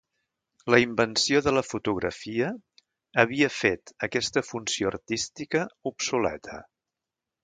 La invenció de la fotografia havia fet aquesta funció artística obsoleta.